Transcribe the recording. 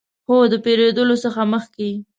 هو، د پیرودلو څخه مخکې